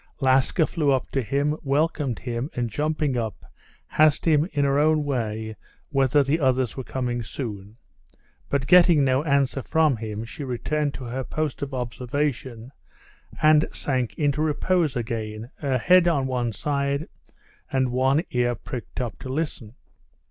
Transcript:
Laska flew up to him, welcomed him, and jumping up, asked him in her own way whether the others were coming soon, but getting no answer from him, she returned to her post of observation and sank into repose again, her head on one side, and one ear pricked up to listen.